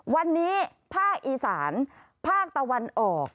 วันนี้ภาคอีสานภาคตะวันออก